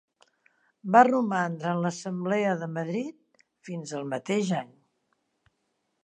Va romandre en l'Assemblea de Madrid fins al mateix any.